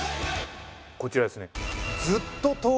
こちらですね。